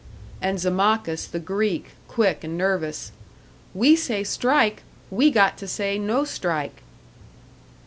And Zammakis, the Greek, quick and nervous, "We say strike; we got to say no strike."